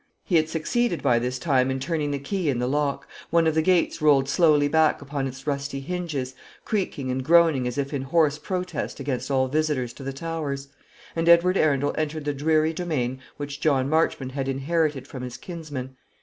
He had succeeded by this time in turning the key in the lock; one of the gates rolled slowly back upon its rusty hinges, creaking and groaning as if in hoarse protest against all visitors to the Towers; and Edward Arundel entered the dreary domain which John Marchmont had inherited from his kinsman.